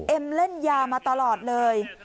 เอ็มเล่นยามาตลอดเลย